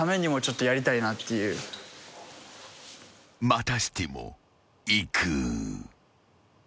［またしてもいく］